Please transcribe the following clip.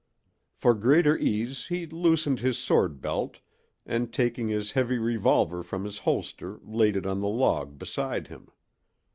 For greater ease he loosened his sword belt and taking his heavy revolver from his holster laid it on the log beside him.